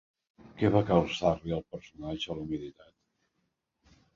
Què va causar-li al personatge la humiditat?